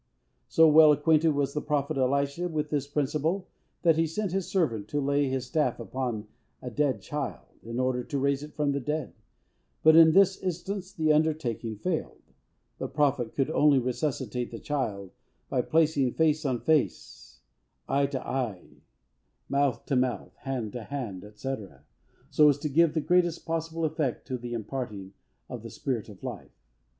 So well acquainted was the Prophet Elisha with this principle, that he sent his servant to lay his staff upon a dead child, in order to raise it from the dead; but, in this instance, the undertaking failed. The Prophet could only resuscitate the child by placing face on face, eye to eye, mouth to mouth, hand to hand, &c., so as to give the greatest possible effect to the imparting of the spirit of life.